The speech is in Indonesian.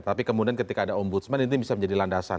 tapi kemudian ketika ada ombudsman ini bisa menjadi landasan